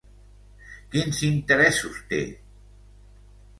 Quins interessos té?